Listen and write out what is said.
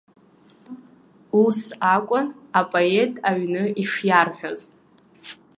Ус акәын апоет аҩны ишиарҳәоз.